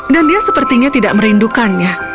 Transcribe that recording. dan dia sepertinya tidak merindukannya